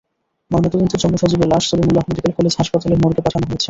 ময়নাতদন্তের জন্য সজীবের লাশ সলিমুল্লাহ মেডিকেল কলেজ হাসপাতালের মর্গে পাঠানো হয়েছে।